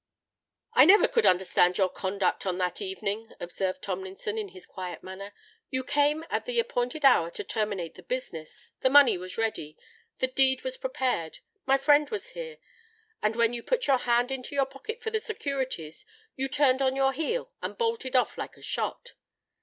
"I never could understand your conduct on that evening," observed Tomlinson, in his quiet manner: "you came at the appointed hour to terminate the business: the money was ready—the deed was prepared—my friend was here,—and when you put your hand into your pocket for the securities, you turned on your heel and bolted off like a shot."